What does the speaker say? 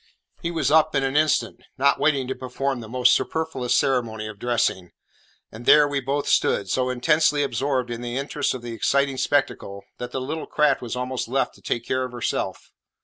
He was up in an instant, not waiting to perform the almost superfluous ceremony of dressing, and there we both stood, so intensely absorbed in the interest of the exciting spectacle that the little craft was almost left to take care of herself.